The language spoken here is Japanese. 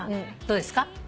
どうですか？